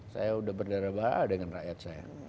saya udah berdarah darah dengan rakyat saya